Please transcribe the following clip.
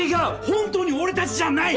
本当に俺たちじゃない！